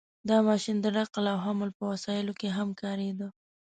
• دا ماشین د نقل او حمل په وسایلو کې هم کارېده.